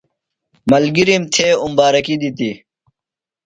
ملگِرِم تھے امبارکی دِتی۔